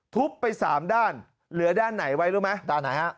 ทุบไป๓ด้านเหลือด้านไหนไว้รู้ไหม